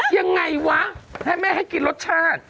ยังไงวะให้แม่ให้กินรสชาติ